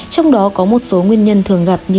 trong đó có một số nguyên nhân thường gặp như